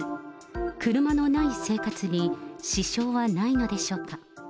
車のない生活に支障はないのでしょうか。